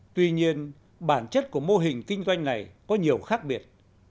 tuy nhiên bản chất của mô hình kinh doanh này có nhiều khác biệt